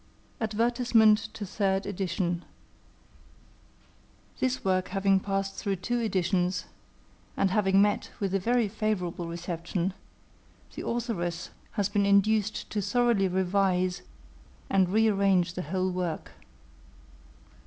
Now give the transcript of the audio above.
ADVERTISEMENT TO THIRD EDITION. This Work having passed through two editions, and having met with a very favorable reception, the Authoress has been induced to thoroughly revise and re arrange the whole work.